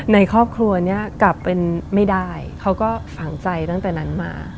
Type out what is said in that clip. ในครอบครัวนี้กลับเป็นไม่ได้เขาก็ฝังใจตั้งแต่นั้นมา